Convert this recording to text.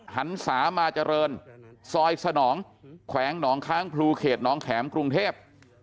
หันศามาเจริญซอยสนองแขวงหนองค้างพลูเขตน้องแข็มกรุงเทพ